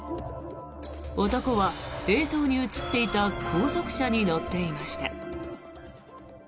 男は映像に映っていた後続車に乗っていました。